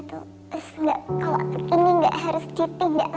kalau begini tidak harus ditindak